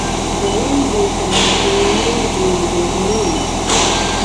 غول د کولمو د جګړې نښه ده.